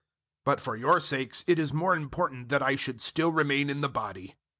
001:024 But for your sakes it is more important that I should still remain in the body.